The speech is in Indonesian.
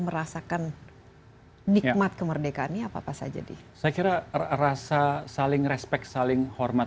merasakan nikmat kemerdekaan ini apa apa saja di saya kira rasa saling respect saling hormat